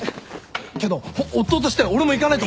けど夫として俺も行かないと。